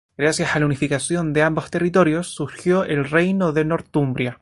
Gracias a la unificación de ambos territorios surgió el reino de Northumbria.